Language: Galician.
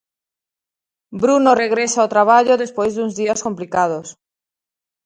Bruno regresa ao traballo despois duns días complicados.